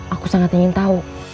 aku sangat ingin tahu